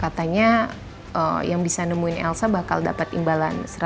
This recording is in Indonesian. katanya yang bisa nemuin elsa bakal dapet imbalan seratus juta ya